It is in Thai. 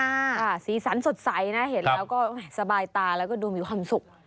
สีสันสดใสนะเห็นแล้วก็สบายตาแล้วก็ดูมีความสุข